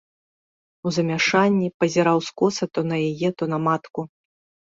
У замяшанні пазіраў скоса то на яе, то на матку.